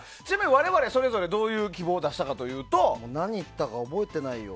我々それぞれどういう希望を出したかというと何言ったか覚えてないよ。